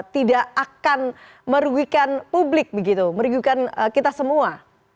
tidak akan merugikan publik begitu merugikan kita semua